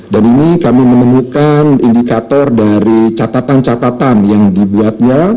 dan ini kami menemukan indikator dari catatan catatan yang dibuatnya